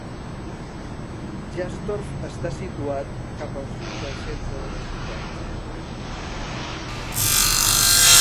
Jastorf està situat cap al sud del centre de la ciutat.